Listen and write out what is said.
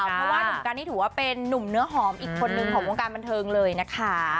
เพราะว่าหนุ่มกันนี่ถือว่าเป็นนุ่มเนื้อหอมอีกคนนึงของวงการบันเทิงเลยนะคะ